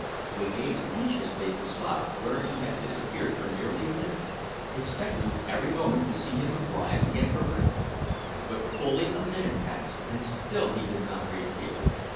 We gazed anxiously down at the spot where he had disappeared for nearly a minute, expecting every moment to see him rise again for breath; but fully a minute passed and still he did not reappear.